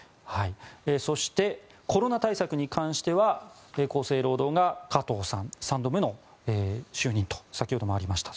そしてコロナ対策に関しては厚生労働が加藤さん３度目の就任と先ほどもありました